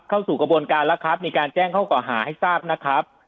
เข้าสู่กระบวนการแล้วครับในการแจ้งข้อก่อหาให้ทราบนะครับ